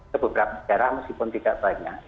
sebegitu berapa daerah masih pun tidak banyak